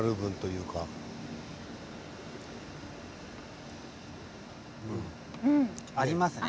うん！ありますね。